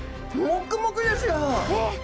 もくもくですよ。